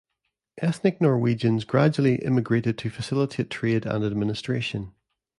Ethnic Norwegians gradually immigrated to facilitate trade and administration.